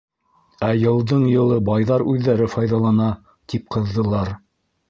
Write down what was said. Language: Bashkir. Ә йылдың-йылы байҙар үҙҙәре файҙалана, — тип ҡыҙҙылар.